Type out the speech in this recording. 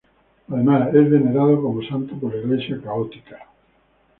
Además es venerado como santo por la Iglesia católica.